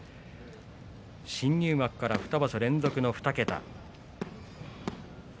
新入幕から２場所連続の２桁。